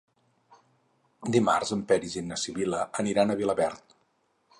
Dimarts en Peris i na Sibil·la aniran a Vilaverd.